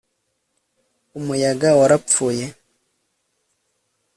umuyaga warapfuye